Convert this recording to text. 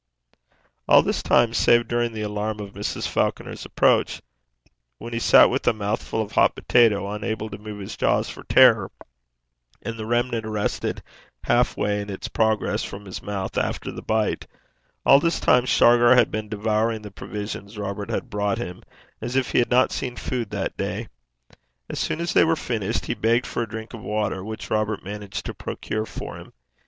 All this time, save during the alarm of Mrs. Falconer's approach, when he sat with a mouthful of hot potato, unable to move his jaws for terror, and the remnant arrested half way in its progress from his mouth after the bite all this time Shargar had been devouring the provisions Robert had brought him, as if he had not seen food that day. As soon as they were finished, he begged for a drink of water, which Robert managed to procure for him.